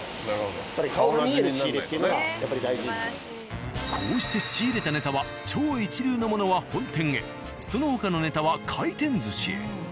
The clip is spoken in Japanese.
やっぱりこうして仕入れたネタは超一流のものは本店へその他のネタは回転寿司へ。